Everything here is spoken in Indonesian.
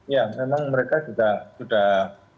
ya memang mereka juga sudah